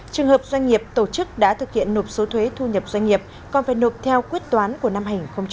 trường hợp doanh nghiệp tổ chức đã thực hiện nộp số thuế thu nhập doanh nghiệp còn phải nộp theo quyết toán của năm hai nghìn một mươi chín